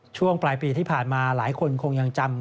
ช่วงปลายปีที่ผ่านมาหลายคนคงยังจำ